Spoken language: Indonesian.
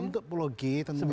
untuk pulau g tentunya